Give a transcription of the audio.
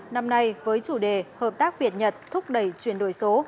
năm nay với chủ đề hợp tác việt nhật thúc đẩy chuyển đổi số